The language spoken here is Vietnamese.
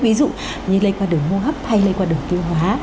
ví dụ như lây qua đường hô hấp hay lây qua đường tiêu hóa